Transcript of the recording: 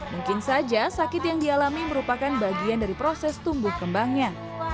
mungkin saja sakit yang dialami merupakan bagian dari proses tumbuh kembangnya